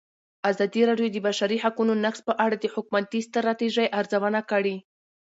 ازادي راډیو د د بشري حقونو نقض په اړه د حکومتي ستراتیژۍ ارزونه کړې.